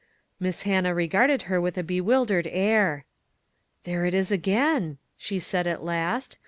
Miss Hannah regarded her with a bewil dered air. " There it is again," she said, at last.